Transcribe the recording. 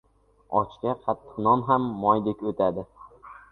• Ochga qattiq non ham moydek o‘tadi.